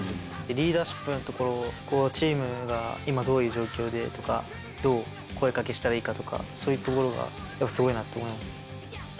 リーダーシップのところ、チームが今どういう状況でとか、どう声かけしたらいいかとか、そういうところがやっぱすごいなと思います。